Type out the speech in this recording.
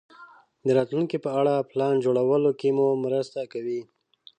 د راتلونکې په اړه پلان جوړولو کې مو مرسته کوي.